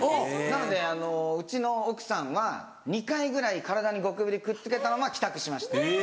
なのでうちの奥さんは２回ぐらい体にゴキブリくっつけたまま帰宅しました。